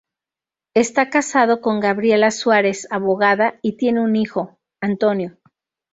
Está casado con Gabriela Suárez, abogada, y tiene un hijo, Antonio.